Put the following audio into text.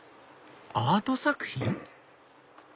アート作品？